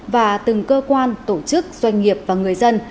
và từng cơ quan tổ chức doanh nghiệp và người dân